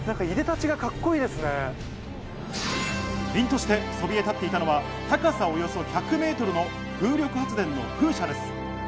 凛としてそびえ立っていたのは高さおよそ１００メートルの風力発電の風車です。